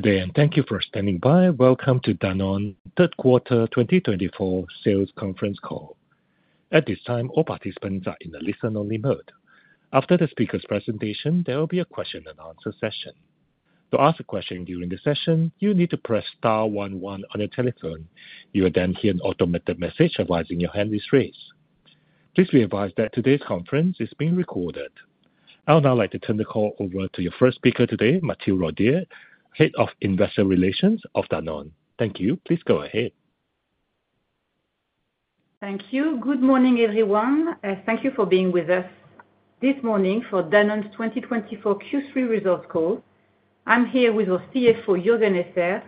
Good day, and thank you for standing by. Welcome to Danone third quarter 2024 sales conference call. At this time, all participants are in a listen-only mode. After the speaker's presentation, there will be a question and answer session. To ask a question during the session, you need to press star one one on your telephone. You will then hear an automated message advising your hand is raised. Please be advised that today's conference is being recorded. I would now like to turn the call over to your first speaker today, Mathilde Rodié, Head of Investor Relations of Danone. Thank you. Please go ahead. Thank you. Good morning, everyone, thank you for being with us this morning for Danone's 2024 Q3 results call. I'm here with our CFO, Juergen Esser,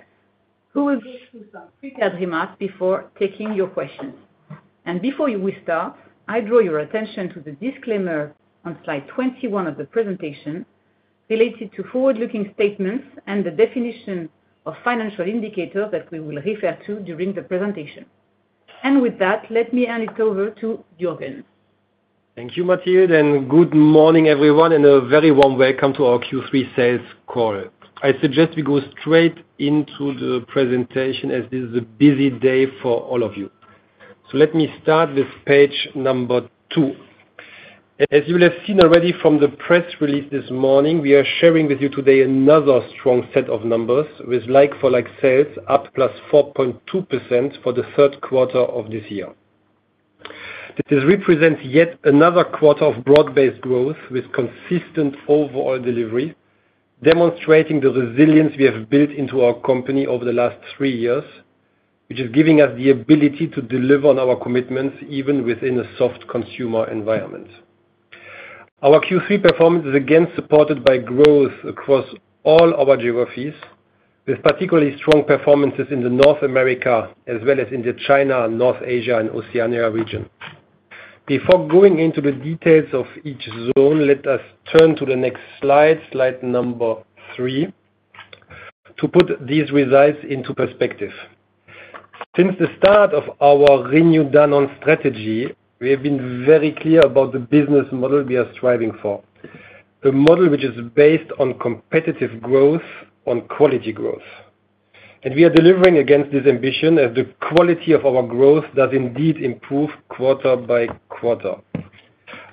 who will go through some prepared remarks before taking your questions. And before we start, I draw your attention to the disclaimer on slide 21 of the presentation, related to forward-looking statements and the definition of financial indicators that we will refer to during the presentation. And with that, let me hand it over to Juergen. Thank you, Mathilde, and good morning, everyone, and a very warm welcome to our Q3 sales call. I suggest we go straight into the presentation, as this is a busy day for all of you. So let me start with page number two. As you will have seen already from the press release this morning, we are sharing with you today another strong set of numbers, with like-for-like sales up +4.2% for the third quarter of this year. This represents yet another quarter of broad-based growth with consistent overall delivery, demonstrating the resilience we have built into our company over the last three years, which is giving us the ability to deliver on our commitments, even within a soft consumer environment. Our Q3 performance is again supported by growth across all our geographies, with particularly strong performances in North America, as well as in China and North Asia and Oceania region. Before going into the details of each zone, let us turn to the next slide, slide number three, to put these results into perspective. Since the start of our renewed Danone strategy, we have been very clear about the business model we are striving for. A model which is based on competitive growth, on quality growth, and we are delivering against this ambition as the quality of our growth does indeed improve quarter by quarter.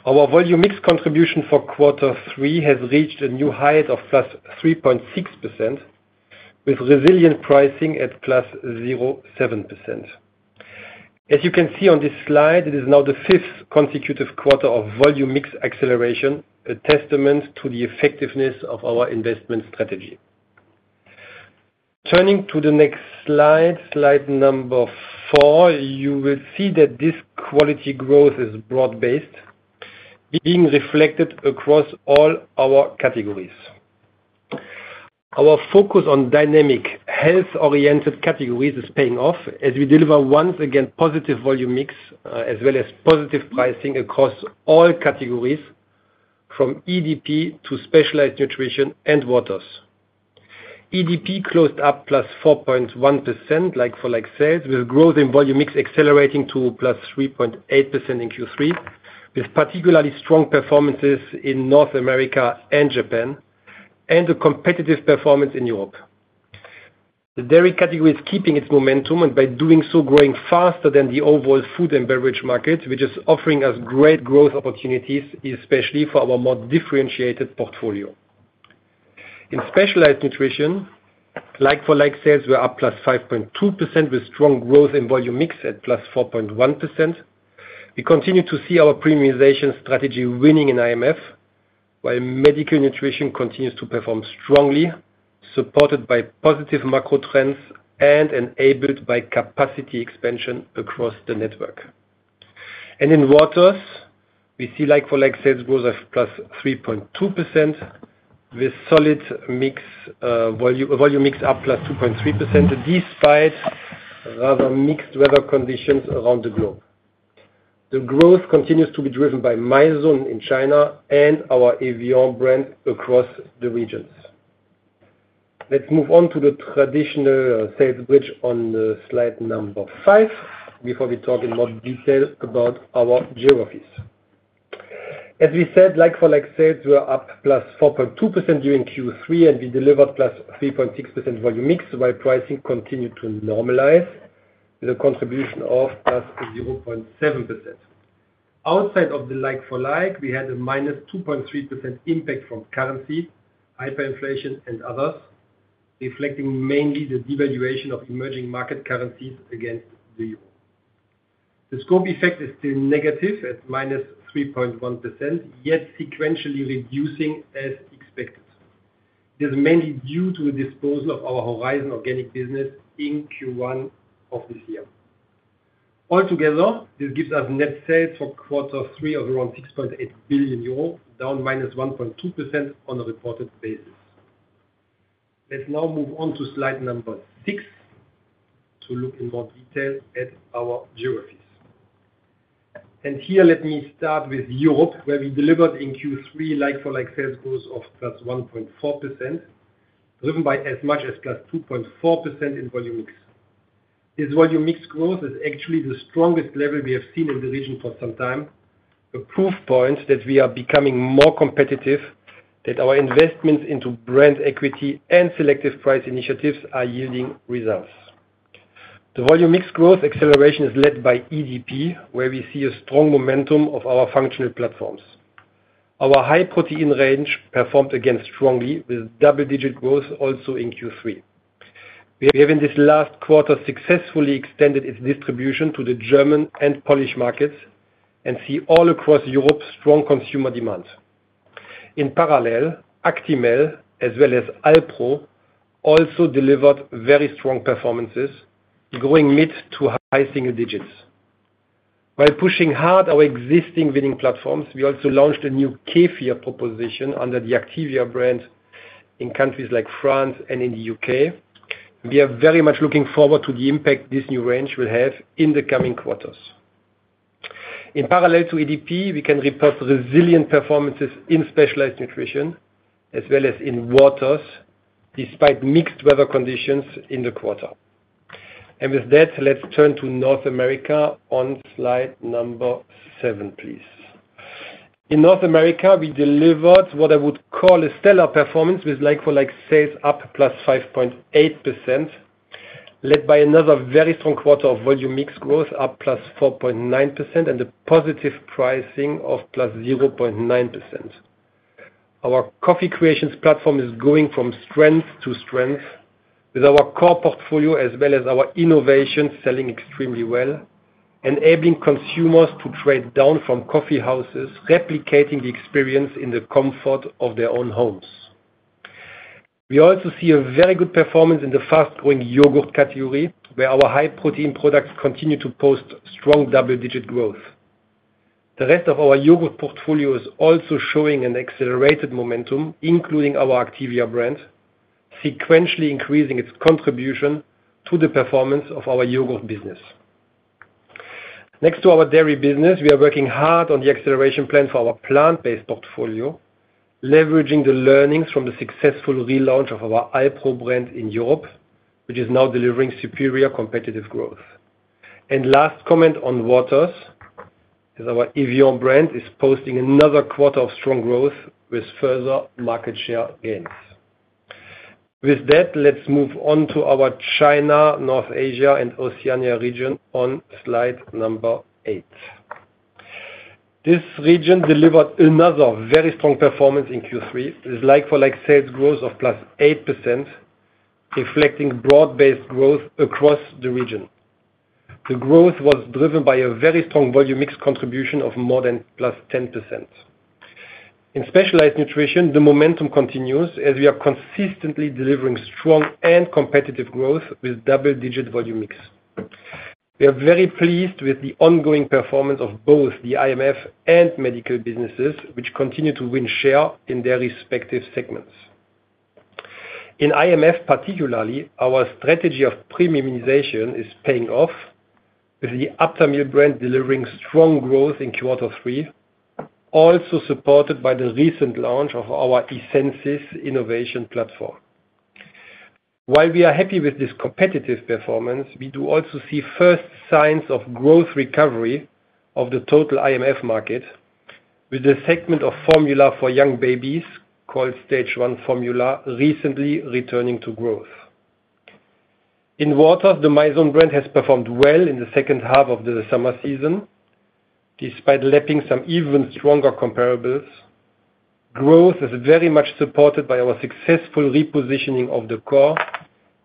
Our volume mix contribution for quarter three has reached a new height of +3.6%, with resilient pricing at +0.7%. As you can see on this slide, it is now the fifth consecutive quarter of volume mix acceleration, a testament to the effectiveness of our investment strategy. Turning to the next slide, slide number four, you will see that this quality growth is broad-based, being reflected across all our categories. Our focus on dynamic, health-oriented categories is paying off, as we deliver once again positive volume mix, as well as positive pricing across all categories, from EDP to specialized nutrition and waters. EDP closed up +4.1%, like-for-like sales, with growth in volume mix accelerating to +3.8% in Q3, with particularly strong performances in North America and Japan, and a competitive performance in Europe. The dairy category is keeping its momentum, and by doing so, growing faster than the overall food and beverage market, which is offering us great growth opportunities, especially for our more differentiated portfolio. In specialized nutrition, like-for-like sales were up +5.2%, with strong growth in volume mix at +4.1%. We continue to see our premiumization strategy winning in IMF, while medical nutrition continues to perform strongly, supported by positive macro trends and enabled by capacity expansion across the network, and in waters, we see like-for-like sales growth of +3.2%, with solid mix, volume mix up +2.3%, despite rather mixed weather conditions around the globe. The growth continues to be driven by Mizone in China and our Evian brand across the regions. Let's move on to the traditional sales bridge on slide number five, before we talk in more detail about our geographies. As we said, like-for-like sales were up +4.2% during Q3, and we delivered +3.6% volume mix, while pricing continued to normalize, with a contribution of +0.7%. Outside of the like-for-like, we had a -2.3% impact from currency, hyperinflation, and others, reflecting mainly the devaluation of emerging market currencies against the euro. The scope effect is still negative, at -3.1%, yet sequentially reducing as expected. This is mainly due to the disposal of our Horizon Organic business in Q1 of this year. Altogether, this gives us net sales for quarter three of around 6.8 billion euro, down -1.2% on a reported basis. Let's now move on to slide number six to look in more detail at our geographies, and here, let me start with Europe, where we delivered in Q3 like-for-like sales growth of +1.4%, driven by as much as +2.4% in volume mix. This volume mix growth is actually the strongest level we have seen in the region for some time. A proof point that we are becoming more competitive, that our investment into brand equity and selective price initiatives are yielding results. The volume mix growth acceleration is led by EDP, where we see a strong momentum of our functional platforms. Our high protein range performed again strongly, with double-digit growth also in Q3. We have, in this last quarter, successfully extended its distribution to the German and Polish markets, and see all across Europe, strong consumer demand. In parallel, Actimel, as well as Alpro, also delivered very strong performances, growing mid to high single digits. By pushing hard our existing winning platforms, we also launched a new kefir proposition under the Activia brand in countries like France and in the U.K. We are very much looking forward to the impact this new range will have in the coming quarters. In parallel to EDP, we can report resilient performances in specialized nutrition as well as in waters, despite mixed weather conditions in the quarter, and with that, let's turn to North America on slide number seven, please. In North America, we delivered what I would call a stellar performance, with like-for-like sales up +5.8%, led by another very strong quarter of volume mix growth, up +4.9%, and a positive pricing of +0.9%. Our Coffee Creations platform is going from strength to strength, with our core portfolio, as well as our innovation, selling extremely well, enabling consumers to trade down from coffee houses, replicating the experience in the comfort of their own homes. We also see a very good performance in the fast-growing yogurt category, where our high-protein products continue to post strong double-digit growth. The rest of our yogurt portfolio is also showing an accelerated momentum, including our Activia brand, sequentially increasing its contribution to the performance of our yogurt business. Next to our dairy business, we are working hard on the acceleration plan for our plant-based portfolio, leveraging the learnings from the successful relaunch of our HiPRO brand in Europe, which is now delivering superior competitive growth. And last comment on waters, is our Evian brand posting another quarter of strong growth with further market share gains. With that, let's move on to our China, North Asia, and Oceania region on slide number eight. This region delivered another very strong performance in Q3, with like-for-like sales growth of +8%, reflecting broad-based growth across the region. The growth was driven by a very strong volume mix contribution of more than +10%. In Specialized Nutrition, the momentum continues, as we are consistently delivering strong and competitive growth with double-digit volume mix. We are very pleased with the ongoing performance of both the IMF and medical businesses, which continue to win share in their respective segments. In IMF, particularly, our strategy of premiumization is paying off, with the Aptamil brand delivering strong growth in quarter three, also supported by the recent launch of our Essensis innovation platform. While we are happy with this competitive performance, we do also see first signs of growth recovery of the total IMF market, with a segment of formula for young babies, called Stage 1 formula, recently returning to growth. In waters, the Mizone brand has performed well in the second half of the summer season, despite lapping some even stronger comparables. Growth is very much supported by our successful repositioning of the core,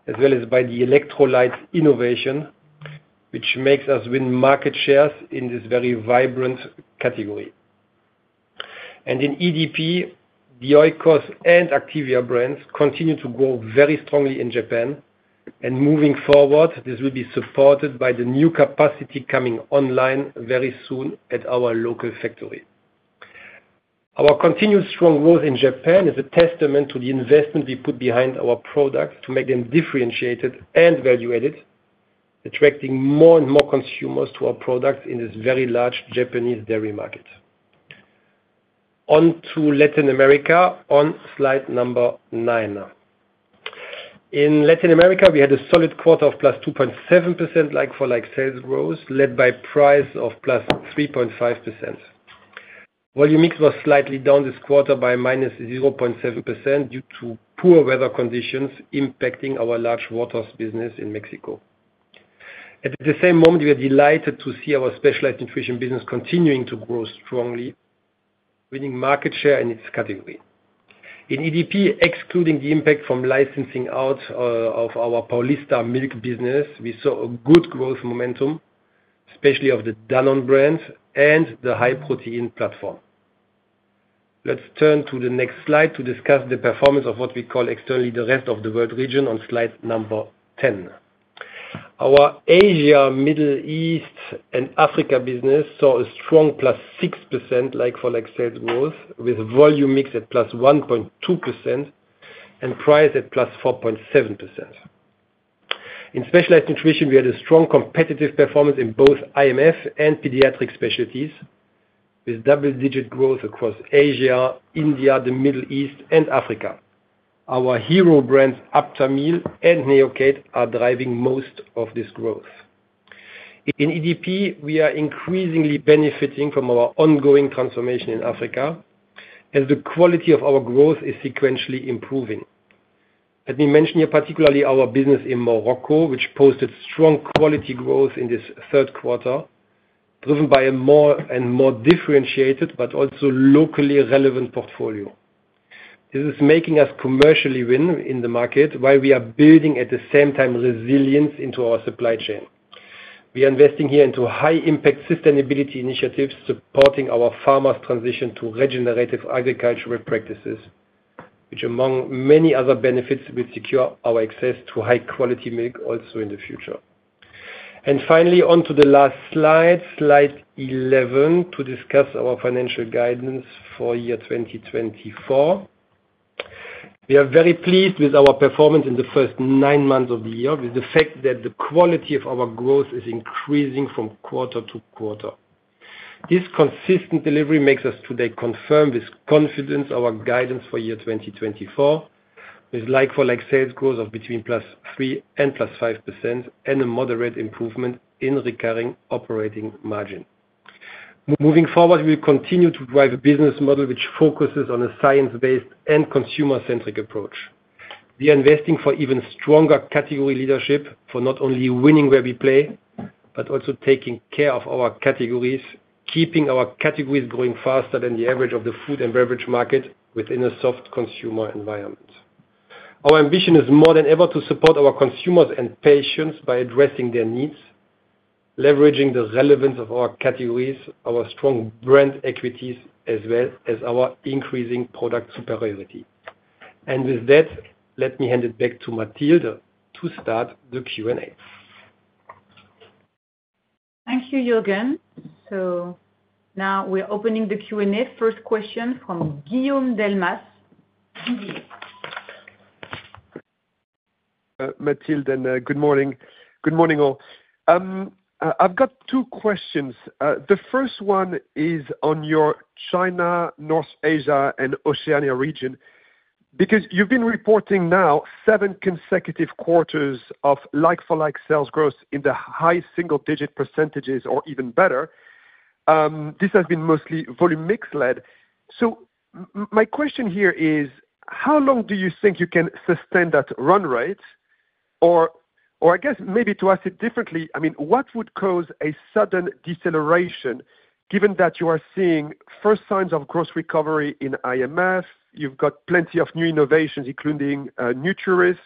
as well as by the electrolytes innovation, which makes us win market shares in this very vibrant category. And in EDP, the Oikos and Activia brands continue to grow very strongly in Japan, and moving forward, this will be supported by the new capacity coming online very soon at our local factory. Our continued strong growth in Japan is a testament to the investment we put behind our products to make them differentiated and value-added, attracting more and more consumers to our products in this very large Japanese dairy market. On to Latin America on slide number 9. In Latin America, we had a solid quarter of +2.7% like-for-like sales growth, led by price of +3.5%. Volume mix was slightly down this quarter by -0.7% due to poor weather conditions impacting our large waters business in Mexico. At the same moment, we are delighted to see our specialized nutrition business continuing to grow strongly, winning market share in its category. In EDP, excluding the impact from licensing out, of our Paulista milk business, we saw a good growth momentum, especially of the Danone brand and the high-protein platform. Let's turn to the next slide to discuss the performance of what we call externally, the rest of the world region, on slide number 10. Our Asia, Middle East, and Africa business saw a strong +6% like-for-like sales growth, with volume mix at +1.2% and price at +4.7%. In specialized nutrition, we had a strong competitive performance in both IMF and pediatric specialties, with double-digit growth across Asia, India, the Middle East, and Africa. Our hero brands, Aptamil and Neocate, are driving most of this growth. In EDP, we are increasingly benefiting from our ongoing transformation in Africa, as the quality of our growth is sequentially improving. Let me mention here, particularly our business in Morocco, which posted strong quality growth in this third quarter, driven by a more and more differentiated but also locally relevant portfolio. This is making us commercially win in the market, while we are building, at the same time, resilience into our supply chain. We are investing here into high impact sustainability initiatives, supporting our farmers' transition to regenerative agricultural practices, which among many other benefits, will secure our access to high quality milk also in the future. Finally, on to the last slide, slide eleven, to discuss our financial guidance for year 2024. We are very pleased with our performance in the first nine months of the year, with the fact that the quality of our growth is increasing from quarter to quarter. This consistent delivery makes us today confirm with confidence our guidance for year 2024, with like-for-like sales growth of between +3% and +5%, and a moderate improvement in recurring operating margin. Moving forward, we continue to drive a business model which focuses on a science-based and consumer-centric approach. We are investing for even stronger category leadership, for not only winning where we play, but also taking care of our categories, keeping our categories growing faster than the average of the food and beverage market within a soft consumer environment. Our ambition is more than ever to support our consumers and patients by addressing their needs, leveraging the relevance of our categories, our strong brand equities, as well as our increasing product superiority. And with that, let me hand it back to Mathilde to start the Q&A. Thank you, Juergen. So now we're opening the Q&A. First question from Guillaume Delmas, BNP. Mathilde, and good morning. Good morning, all. I've got two questions. The first one is on your China, North Asia, and Oceania region. Because you've been reporting now seven consecutive quarters of like-for-like sales growth in the high single-digit percentages or even better, this has been mostly volume mix led. So my question here is: How long do you think you can sustain that run rate? Or I guess maybe to ask it differently, I mean, what would cause a sudden deceleration, given that you are seeing first signs of growth recovery in IMF, you've got plenty of new innovations, including Nuturis,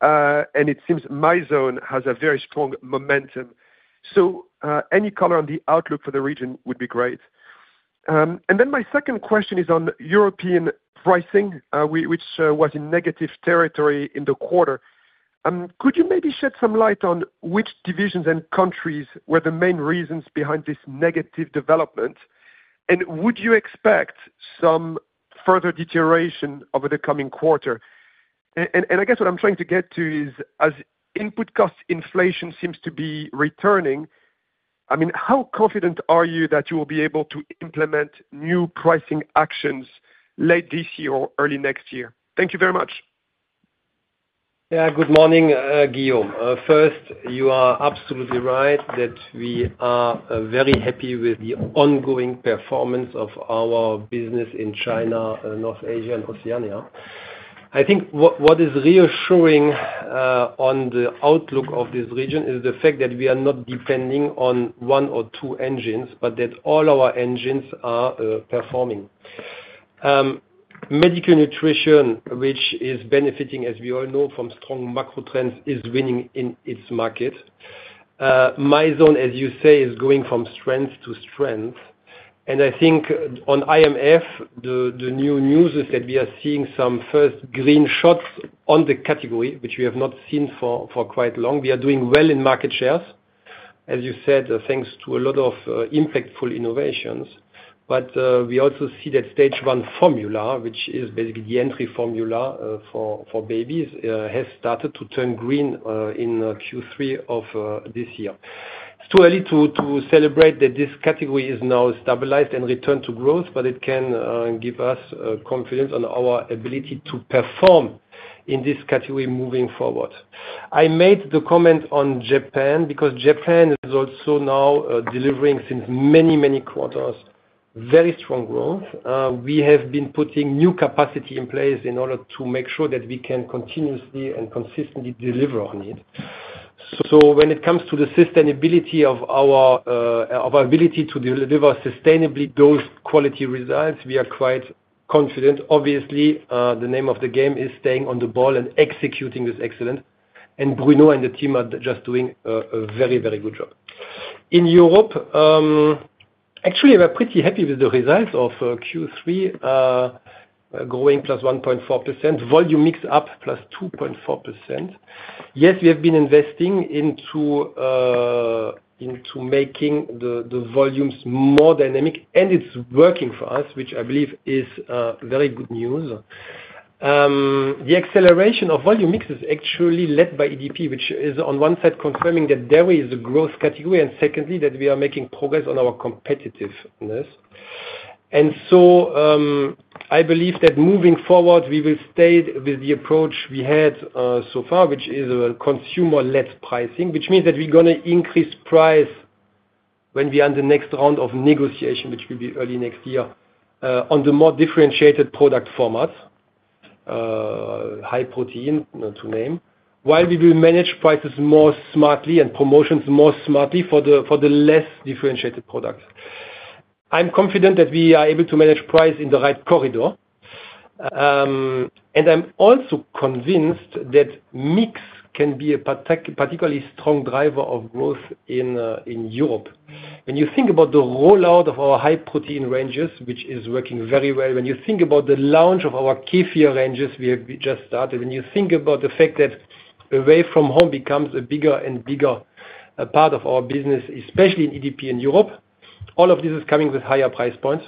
and it seems Mizone has a very strong momentum. So any color on the outlook for the region would be great. And then my second question is on European pricing, which was in negative territory in the quarter. Could you maybe shed some light on which divisions and countries were the main reasons behind this negative development? And would you expect some further deterioration over the coming quarter? And I guess what I'm trying to get to is, as input cost inflation seems to be returning, I mean, how confident are you that you will be able to implement new pricing actions late this year or early next year? Thank you very much. Yeah, good morning, Guillaume. First, you are absolutely right that we are very happy with the ongoing performance of our business in China, North Asia, and Oceania. I think what is reassuring on the outlook of this region is the fact that we are not depending on one or two engines, but that all our engines are performing. Medical nutrition, which is benefiting, as we all know, from strong macro trends, is winning in its market. Mizone, as you say, is going from strength to strength. And I think on IMF, the new news is that we are seeing some first green shoots on the category, which we have not seen for quite long. We are doing well in market shares, as you said, thanks to a lot of impactful innovations. But we also see that Stage 1 formula, which is basically the entry formula, for babies, has started to turn green, in Q3 of this year. It's too early to celebrate that this category is now stabilized and return to growth, but it can give us confidence on our ability to perform in this category moving forward. I made the comment on Japan, because Japan is also now delivering since many, many quarters, very strong growth. We have been putting new capacity in place in order to make sure that we can continuously and consistently deliver on it. So when it comes to the sustainability of our ability to deliver sustainably those quality results, we are quite confident. Obviously, the name of the game is staying on the ball and executing this excellence, and Bruno and the team are just doing a very, very good job. In Europe, actually, we're pretty happy with the results of Q3, growing +1.4%, volume mix up +2.4%. Yes, we have been investing into making the volumes more dynamic, and it's working for us, which I believe is very good news. The acceleration of volume mix is actually led by EDP, which is on one side confirming that dairy is a growth category, and secondly, that we are making progress on our competitiveness. I believe that moving forward, we will stay with the approach we had so far, which is a consumer-led pricing, which means that we're gonna increase price when we end the next round of negotiation, which will be early next year, on the more differentiated product formats, high protein, not to name, while we will manage prices more smartly and promotions more smartly for the less differentiated products. I'm confident that we are able to manage price in the right corridor. I'm also convinced that mix can be a particularly strong driver of growth in Europe. When you think about the rollout of our high protein ranges, which is working very well, when you think about the launch of our kefir ranges, we just started, when you think about the fact that away from home becomes a bigger and bigger part of our business, especially in EDP in Europe, all of this is coming with higher price points,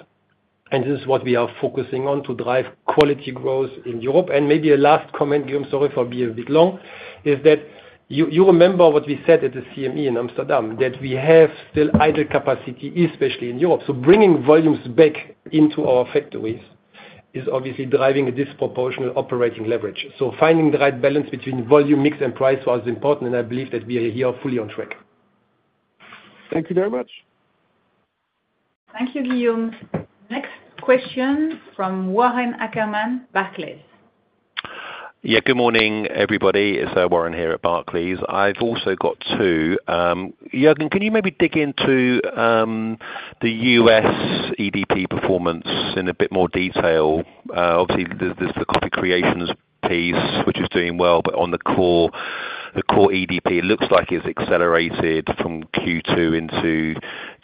and this is what we are focusing on to drive quality growth in Europe. And maybe a last comment, Guillaume, sorry for being a bit long, is that you remember what we said at the CME in Amsterdam, that we have still idle capacity, especially in Europe. So bringing volumes back into our factories is obviously driving a disproportional operating leverage. So finding the right balance between volume, mix, and price was important, and I believe that we are here fully on track. Thank you very much. Thank you, Guillaume. Next question from Warren Ackerman, Barclays. Yeah, good morning, everybody. It's Warren here at Barclays. I've also got two. Juergen, can you maybe dig into the U.S. EDP performance in a bit more detail? Obviously, there's the Coffee Creations piece, which is doing well, but on the core EDP, it looks like it's accelerated from Q2 into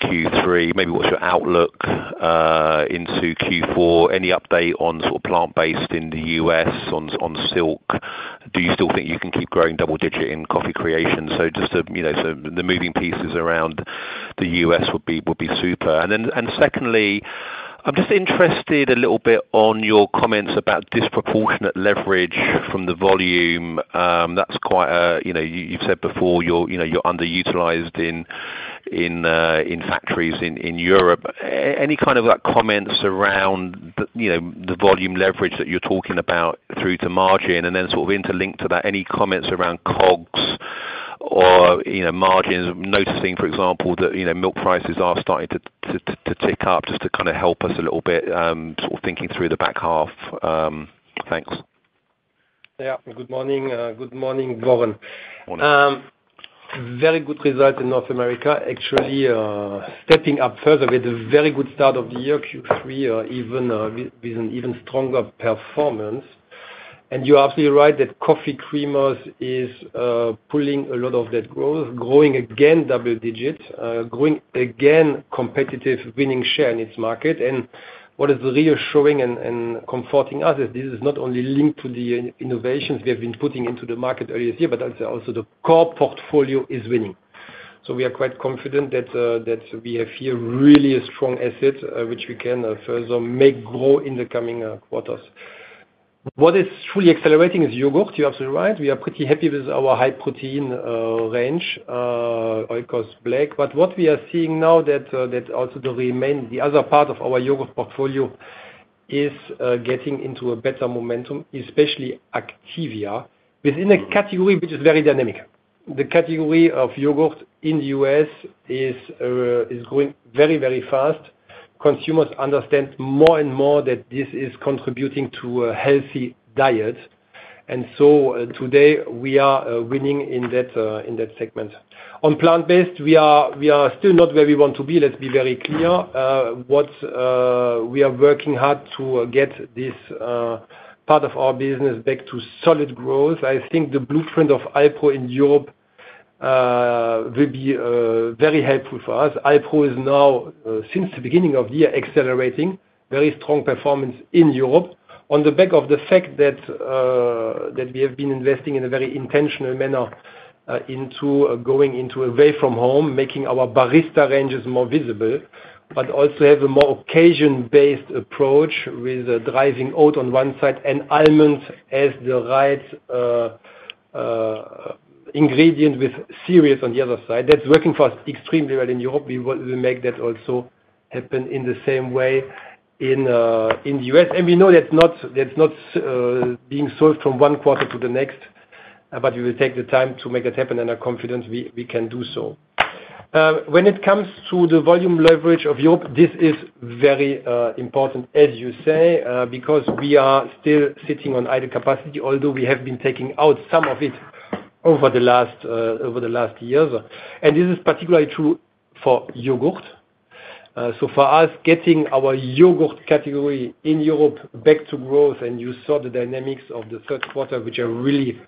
Q3. Maybe what's your outlook into Q4? Any update on sort of plant-based in the U.S. on Silk? Do you still think you can keep growing double digit in Coffee Creation? So just to, you know, so the moving pieces around the US would be super. And then, secondly, I'm just interested a little bit on your comments about disproportionate leverage from the volume. That's quite a, you know, you've said before, you're underutilized in factories in Europe. Any kind of, like, comments around the, you know, the volume leverage that you're talking about through to margin? And then sort of interlinked to that, any comments around COGS or, you know, margins? Noticing, for example, that, you know, milk prices are starting to tick up, just to kind of help us a little bit, sort of thinking through the back half. Thanks. Yeah. Good morning, good morning, Warren. Morning. Very good result in North America, actually stepping up further with a very good start of the year, Q3, even with an even stronger performance, and you are actually right that coffee creamers is pulling a lot of that growth, growing again double digits, competitive, winning share in its market, and what is really showing and comforting us is this is not only linked to the innovations we have been putting into the market earlier this year, but also the core portfolio is winning, so we are quite confident that we have here really a strong asset which we can further make grow in the coming quarters. What is truly accelerating is yogurt, you are absolutely right. We are pretty happy with our high protein range, Oikos Black. But what we are seeing now that, that also the other part of our yogurt portfolio is getting into a better momentum, especially Activia, within a category which is very dynamic. The category of yogurt in the U.S. is growing very, very fast. Consumers understand more and more that this is contributing to a healthy diet, and so, today we are winning in that segment. On plant-based, we are still not where we want to be, let's be very clear. What we are working hard to get this part of our business back to solid growth. I think the blueprint of Alpro IPO in Europe will be very helpful for us. Alpro is now since the beginning of the year accelerating very strong performance in Europe on the back of the fact that we have been investing in a very intentional manner into going into away-from-home, making our barista ranges more visible, but also have a more occasion-based approach with driving oat on one side and almond as the right ingredient with cereals on the other side. That's working for us extremely well in Europe. We want to make that also happen in the same way in the U.S. We know that's not being solved from one quarter to the next, but we will take the time to make it happen, and are confident we can do so. When it comes to the volume leverage of Europe, this is very important, as you say, because we are still sitting on idle capacity, although we have been taking out some of it over the last years, and this is particularly true for yogurt, so for us, getting our yogurt category in Europe back to growth, and you saw the dynamics of the third quarter, which are really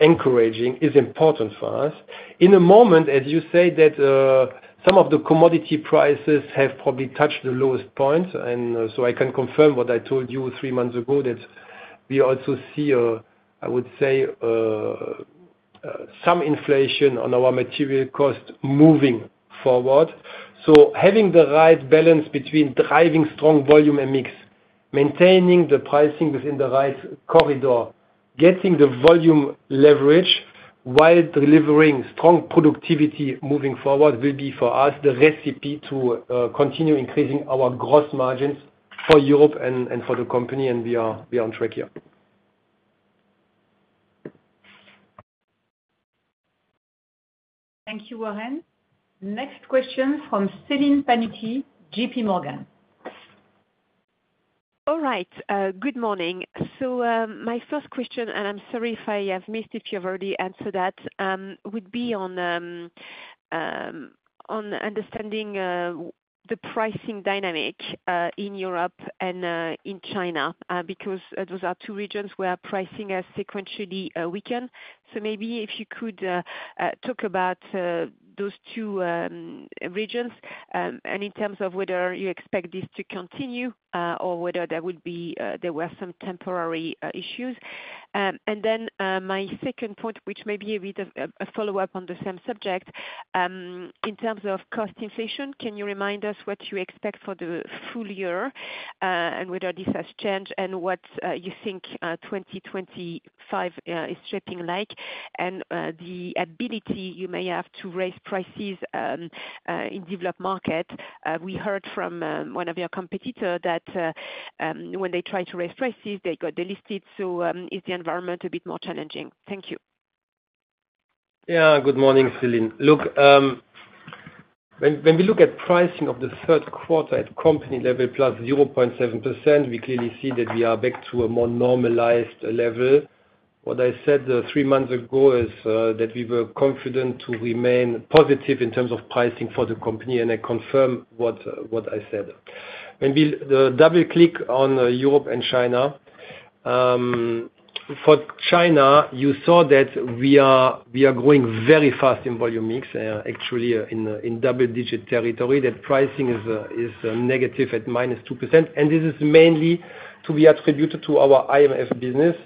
encouraging, is important for us. In the moment, as you say, that some of the commodity prices have probably touched the lowest point, and so I can confirm what I told you three months ago, that we also see, I would say, some inflation on our material cost moving forward. Having the right balance between driving strong volume and mix, maintaining the pricing within the right corridor, getting the volume leverage while delivering strong productivity moving forward, will be for us the recipe to continue increasing our gross margins for Europe and for the company, and we are on track here. Thank you, Warren. Next question from Celine Pannuti, JP Morgan. All right. Good morning. So, my first question, and I'm sorry if I have missed it, you already answered that, would be on understanding the pricing dynamic in Europe and in China. Because those are two regions where pricing has sequentially weakened. So maybe if you could talk about those two regions, and in terms of whether you expect this to continue or whether there were some temporary issues. And then, my second point, which may be a bit of a follow-up on the same subject, in terms of cost inflation, can you remind us what you expect for the full year, and whether this has changed, and what you think twenty twenty-five is shaping like? The ability you may have to raise prices in developed market. We heard from one of your competitor that when they try to raise prices, they got delisted. So, is the environment a bit more challenging? Thank you. Yeah. Good morning, Celine. Look, when we look at pricing of the third quarter at company level, +0.7%, we clearly see that we are back to a more normalized level. What I said three months ago is that we were confident to remain positive in terms of pricing for the company, and I confirm what I said. The double click on Europe and China, for China, you saw that we are growing very fast in volume mix, actually, in double digit territory. That pricing is negative at -2%, and this is mainly to be attributed to our IMF business,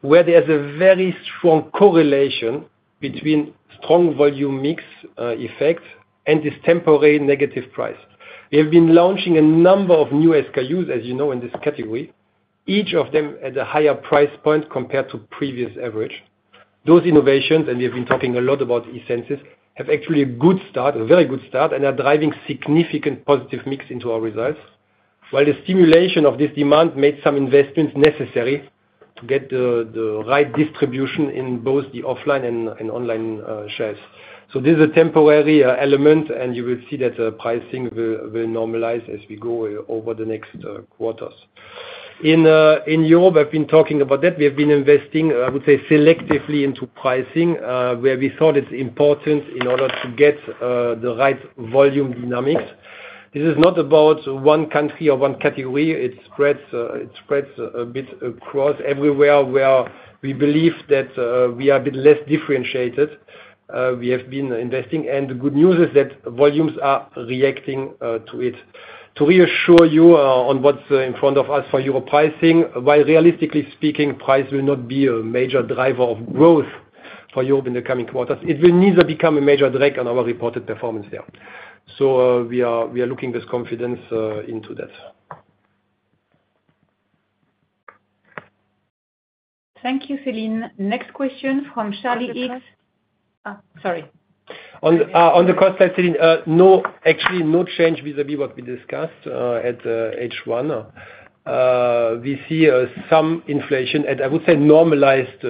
where there's a very strong correlation between strong volume mix effect, and this temporary negative price. We have been launching a number of new SKUs, as you know, in this category, each of them at a higher price point compared to previous average. Those innovations, and we have been talking a lot about Essensis, have actually a good start, a very good start, and are driving significant positive mix into our results. While the stimulation of this demand made some investments necessary to get the right distribution in both the offline and online shelves. So this is a temporary element, and you will see that pricing will normalize as we go over the next quarters. In Europe, I've been talking about that. We have been investing, I would say, selectively into pricing, where we thought it's important in order to get the right volume dynamics. This is not about one country or one category. It spreads a bit across everywhere where we believe that we are a bit less differentiated, we have been investing. The good news is that volumes are reacting to it. To reassure you on what's in front of us for Europe pricing, while realistically speaking, price will not be a major driver of growth for Europe in the coming quarters, it will neither become a major drag on our reported performance there. We are looking with confidence into that. Thank you, Celine. Next question from Charlie Higgs. Sorry. On the cost side, Celine, actually, no change vis-à-vis what we discussed at H1. We see some inflation at, I would say, normalized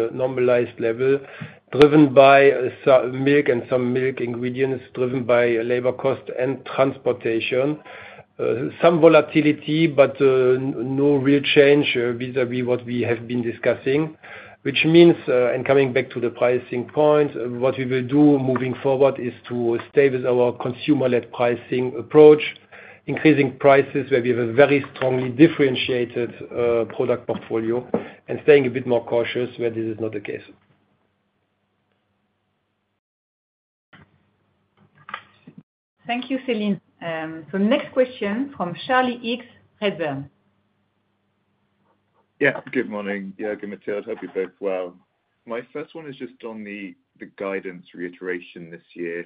level, driven by some milk and some milk ingredients, driven by labor cost and transportation. Some volatility, but no real change vis-à-vis what we have been discussing. Which means, coming back to the pricing point, what we will do moving forward is to stay with our consumer-led pricing approach, increasing prices where we have a very strongly differentiated product portfolio, and staying a bit more cautious where this is not the case. Thank you, Celine. The next question from Charlie Higgs, Redburn. Yeah. Good morning, Juergen, Mathilde. Hope you're both well. My first one is just on the guidance reiteration this year.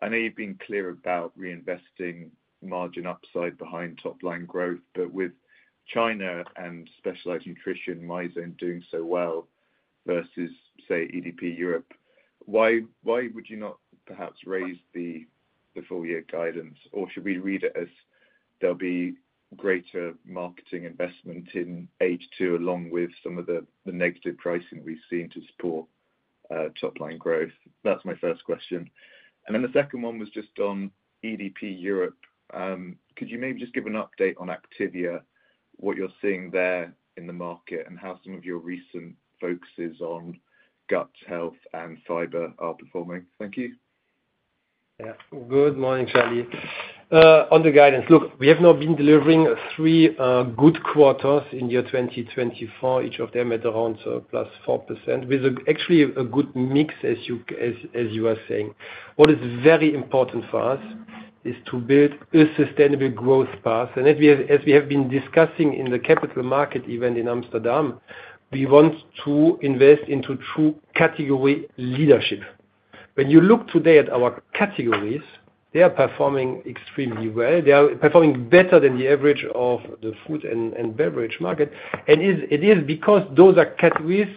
I know you've been clear about reinvesting margin upside behind top-line growth, but with China and specialized nutrition, Mizone doing so well versus, say, EDP Europe, why would you not perhaps raise the full year guidance? Or should we read it as there'll be greater marketing investment in H2, along with some of the negative pricing we've seen to support top-line growth? That's my first question. And then the second one was just on EDP Europe. Could you maybe just give an update on Activia, what you're seeing there in the market, and how some of your recent focuses on gut health and fiber are performing? Thank you. Yeah. Good morning, Charlie. On the guidance, look, we have now been delivering three good quarters in year 2024, each of them at around +4%, with actually a good mix, as you were saying. What is very important for us is to build a sustainable growth path. And as we have been discussing in the capital market event in Amsterdam, we want to invest into true category leadership. When you look today at our categories, they are performing extremely well. They are performing better than the average of the food and beverage market. And it is because those are categories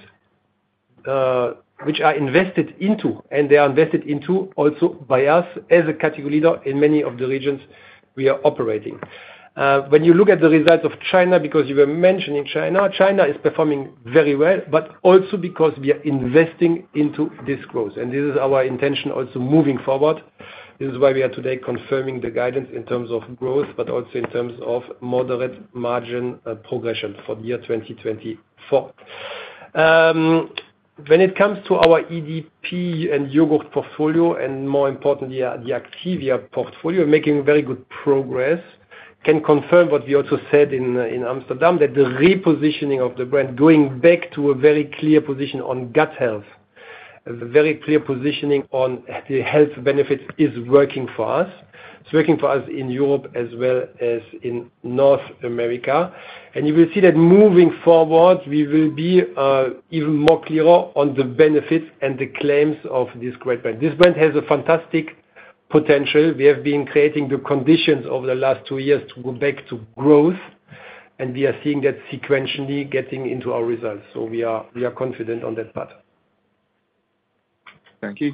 which are invested into, and they are invested into also by us, as a category leader in many of the regions we are operating. When you look at the results of China, because you were mentioning China, China is performing very well, but also because we are investing into this growth, and this is our intention also moving forward. This is why we are today confirming the guidance in terms of growth, but also in terms of moderate margin progression for the year 2024. When it comes to our EDP and yogurt portfolio, and more importantly, the Activia portfolio, making very good progress. Can confirm what we also said in Amsterdam, that the repositioning of the brand, going back to a very clear position on gut health, a very clear positioning on the health benefits, is working for us. It's working for us in Europe as well as in North America. You will see that moving forward, we will be even more clearer on the benefits and the claims of this great brand. This brand has a fantastic potential. We have been creating the conditions over the last two years to go back to growth, and we are seeing that sequentially getting into our results. We are confident on that path. Thank you.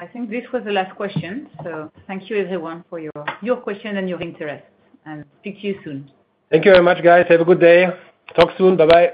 I think this was the last question, so thank you everyone for your question and your interest, and speak to you soon. Thank you very much, guys. Have a good day. Talk soon. Bye-bye.